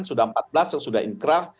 sudah empat belas yang sudah inkrah